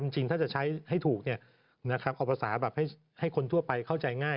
จริงถ้าจะใช้ให้ถูกเอาภาษาแบบให้คนทั่วไปเข้าใจง่าย